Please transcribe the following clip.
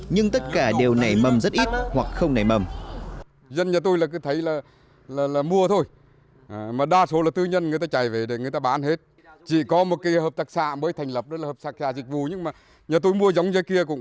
nhưng tất cả đều nảy mầm rất ít hoặc không nảy mầm